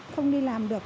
không đi làm được